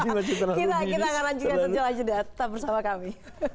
cerita cerita bersama kami